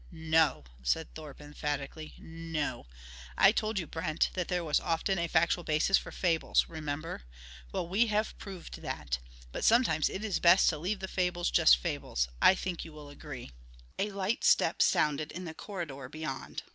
"No," said Thorpe emphatically. "No! I told you, Brent, there was often a factual basis for fables remember? Well, we have proved that. But sometimes it is best to leave the fables just fables. I think you will agree." A light step sounded in the corridor beyond.